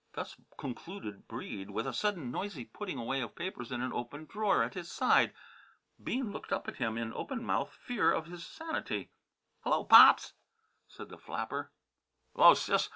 Thus concluded Breede, with a sudden noisy putting away of papers in an open drawer at his side. Bean looked up at him, in open mouthed fear for his sanity. "Hello, Pops!" said the flapper. "'Lo, Sis!